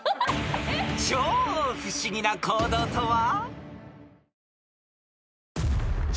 ［超不思議な行動とは？］